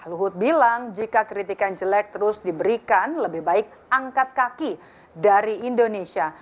luhut bilang jika kritikan jelek terus diberikan lebih baik angkat kaki dari indonesia